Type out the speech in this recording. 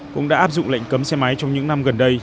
cũng đã áp dụng lệnh cấm xe máy trong những năm gần đây